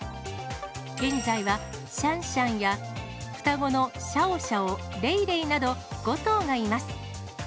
現在はシャンシャンや、双子のシャオシャオ、レイレイなど、５頭がいます。